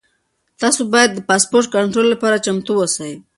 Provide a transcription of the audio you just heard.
تاسو باید د پاسپورټ کنټرول لپاره چمتو اوسئ.